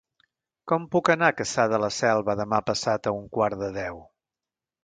Com puc anar a Cassà de la Selva demà passat a un quart de deu?